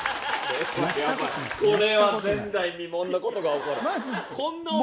これは前代未聞なことが起こる。